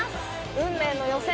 運命の予選